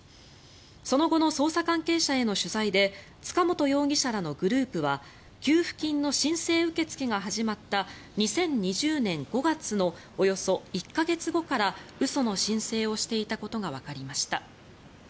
その後の捜査関係者への取材で塚本容疑者らのグループは給付金の申請受け付けが始まった２０２０年５月のおよそ１か月後から嘘の申請をしていたことがわかりました。